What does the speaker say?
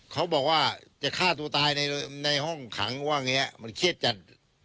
เขาบอกว่าจะฆ่าตัวตายในห้องขังว่าอย่างนี้มันเครียดจัด